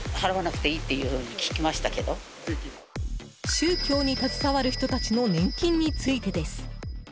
宗教に携わる人たちの年金についてです。